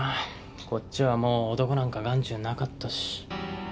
こっちはもう男なんか眼中になかったし。